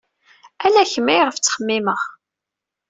Ala kemm ayɣef ttxemmimeɣ.